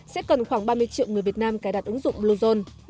sẽ cần khoảng ba mươi triệu người việt nam cài đặt ứng dụng bluezone